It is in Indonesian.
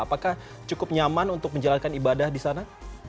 apakah cukup nyaman untuk menjalankan ibadah di sana